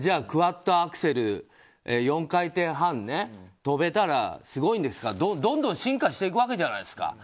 クアッドアクセル４回転半跳べたらすごいんですかどんどん進化していくわけじゃないですか。